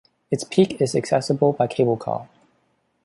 Its peak is accessible by cablecar.